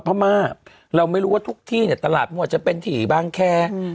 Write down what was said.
พม่าเราไม่รู้ว่าทุกที่เนี่ยตลาดมั่วจะเป็นถี่บางแคร์